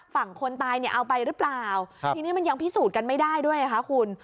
ฝั่งคนตายเนี่ยเอาไปหรือเปล่าทีนี้มันยังพิสูจน์กันไม่ได้ด้วยนะคะคุณ